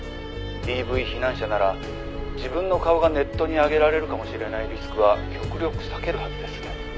「ＤＶ避難者なら自分の顔がネットに上げられるかもしれないリスクは極力避けるはずです」